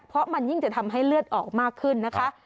เพราะมันยิ่งจะทำให้เลือดออกมากขึ้นนะคะ